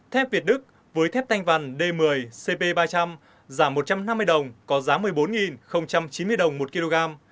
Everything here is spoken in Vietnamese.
thép việt đức với thép tanh vằn d một mươi cp ba trăm linh giảm một trăm năm mươi đồng có giá một mươi bốn chín mươi đồng một kg